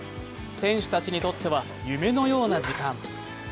選手たちにとっては夢のような時間。